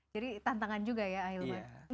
jadi tantangan juga ya ailman